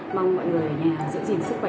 mong mọi người ở nhà giữ gìn sức khỏe